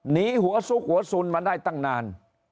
หนีหัวซุกหัวสุนมาได้ตั้งนาน